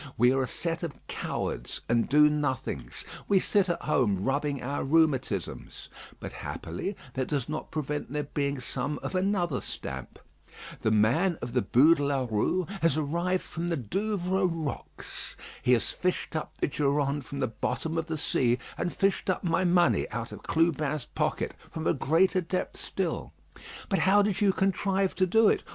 We are a set of cowards and do nothings; we sit at home rubbing our rheumatisms; but happily that does not prevent there being some of another stamp. The man of the Bû de la Rue has arrived from the Douvres rocks. He has fished up the Durande from the bottom of the sea; and fished up my money out of Clubin's pocket, from a greater depth still. But how did you contrive to do it?